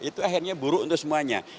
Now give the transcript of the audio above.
itu akhirnya buruk untuk semuanya